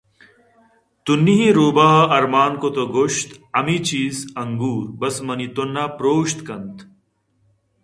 تُنّی ئیں روباہ ءَ ارمان کُت ءُ گوٛشتہمے چیز (انگُور) بس منی تُنّ ءَ پرٛوشت کننت